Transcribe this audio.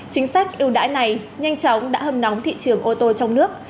chính sách ưu đãi này nhanh chóng đã hâm nóng thị trường ô tô trong nước